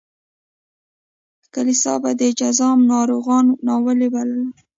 کلیسا به د جذام ناروغان ناولي بلل.